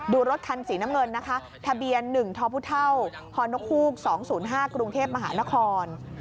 รถคันสีน้ำเงินนะคะทะเบียน๑ทพนกฮูก๒๐๕กรุงเทพมหานคร